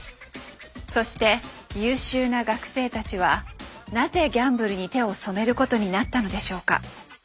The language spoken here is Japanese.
そして優秀な学生たちはなぜギャンブルに手を染めることになったのでしょうか。